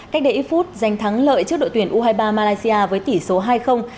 cách đây ít phút giành thắng lợi trước đội tuyển u hai mươi ba malaysia với tỷ số hai